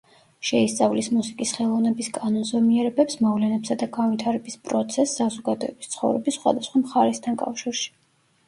შეისწავლის მუსიკის ხელოვნების კანონზომიერებებს, მოვლენებსა და განვითარების პროცესს საზოგადოების ცხოვრების სხვადასხვა მხარესთან კავშირში.